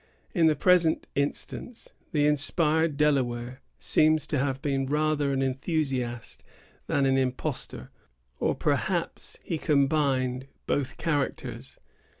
In the present instance, the inspired Delaware seems to have been rather an enthusiast than an impostor; or perhaps he combined both characters.